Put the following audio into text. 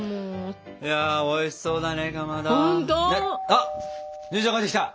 あっ姉ちゃん帰ってきた！